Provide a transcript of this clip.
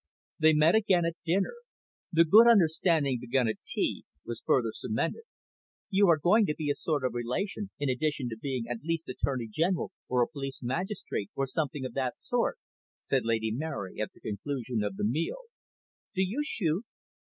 They met again at dinner. The good understanding, begun at tea, was further cemented. "You are going to be a sort of relation, in addition to being at least Attorney General, or a police magistrate, or something of that sort," said Lady Mary at the conclusion of the meal. "Do you shoot?"